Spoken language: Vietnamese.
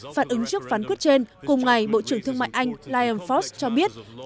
phản ứng trước phán quyết trên cùng ngày bộ trưởng thương mại anh liam fox cho biết